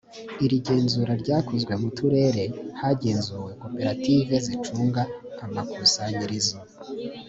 iri genzura ryakozwe mu turere hagenzuwe koperative zicunga amakusanyirizo